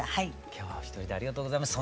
今日はお一人でありがとうございます。